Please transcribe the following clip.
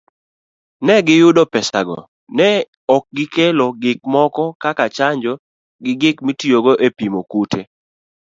Ne giyudo pesago, ni neok gikelo gikmoko kaka chanjo, gik mitiyogo epimo kute